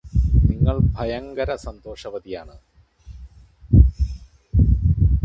നിങ്ങള് ഭയങ്കര സന്തോഷവതിയാണ്